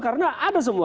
karena ada semua